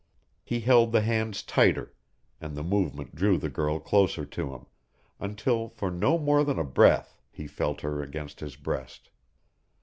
He held the hands tighter, and the movement drew the girl closer to him, until for no more than a breath he felt her against his breast.